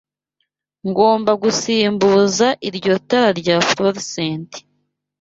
Ngomba gusimbuza iryo tara rya fluorescent.